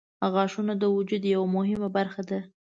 • غاښونه د وجود یوه مهمه برخه ده.